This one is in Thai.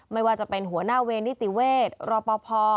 ไม่ว่าจะเป็นหัวหน้าเวรนิติเวศรปภ